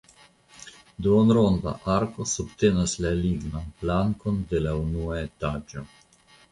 Duonronda arko subtenas la lignan plankon de la unua etaĝo.